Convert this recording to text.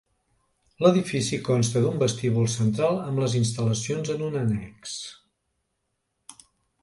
L'edifici consta d'un vestíbul central amb les instal·lacions en un annex.